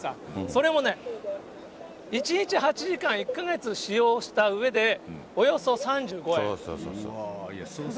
それもね、１日８時間、１か月使用したうえで、およそ３５円。